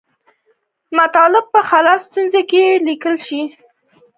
مطلب په خلص ستون کې لیکل کیږي.